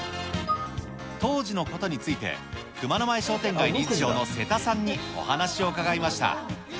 当時のことについて、熊野前商店街理事長の瀬田さんにお話を伺いました。